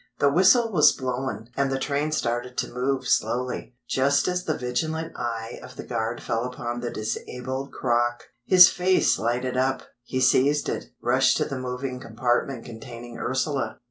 The whistle was blown, and the train started to move slowly, just as the vigilant eye of the guard fell upon the disabled crock. His face lighted up. He seized it, rushed to the moving compartment containing Ursula.